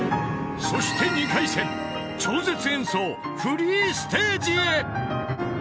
［そして２回戦超絶演奏フリーステージへ］